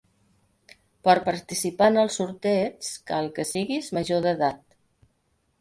Per participar en el sorteig cal que siguis major d'edat.